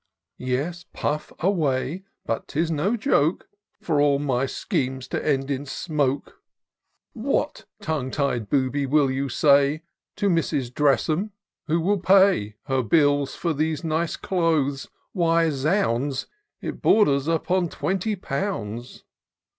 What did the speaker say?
Yes, pufF away — ^but 'tis no joke For all my schemes to end in smoke. What, tongue tied booby! will you say To Mrs. Dress'em ?— ^Who will pay Her bills for these nice clothes ?— Why, zounds ! It borders upon twenty pounds."